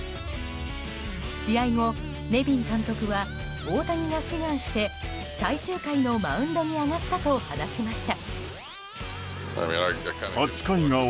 試合後、ネビン監督は大谷が志願して最終回のマウンドに上がったと話しました。